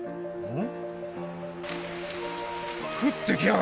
ん？